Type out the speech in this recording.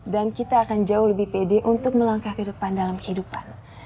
kita akan jauh lebih pede untuk melangkah ke depan dalam kehidupan